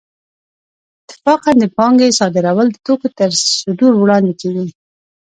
اتفاقاً د پانګې صادرول د توکو تر صدور وړاندې کېږي